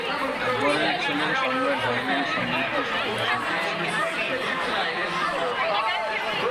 আকবরের ছেলে সম্রাট জাহাঙ্গীর সমৃদ্ধির সাথে শাসন করেছেন।